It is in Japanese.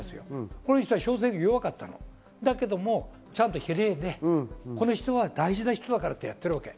この人は小選挙区は弱かった、けれど比例でこの人は大事な人だからってやってるわけ。